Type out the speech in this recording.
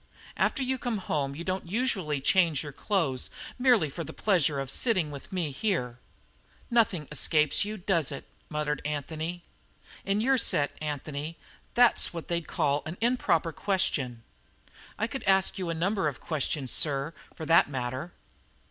"After you come home you don't usually change your clothes merely for the pleasure of sitting with me here." "Nothing escapes you, does it?" muttered Anthony. "In your set, Anthony, that's what they'd call an improper question." "I could ask you any number of questions, sir, for that matter."